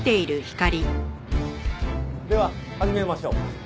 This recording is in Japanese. では始めましょうか。